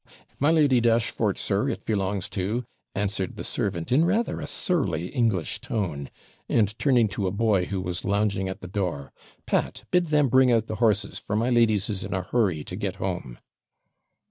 'My Lady Dashfort, sir, it belongs to,' answered the servant, in rather a surly English tone; and turning to a boy who was lounging at the door 'Pat, bid them bring out the horses, for my ladies is in a hurry to get home.'